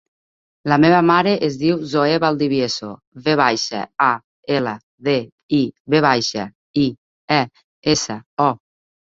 La meva mare es diu Zoè Valdivieso: ve baixa, a, ela, de, i, ve baixa, i, e, essa, o.